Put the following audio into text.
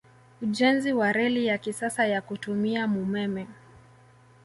Ujenzi wa Reli ya kisasa ya kutumia mumeme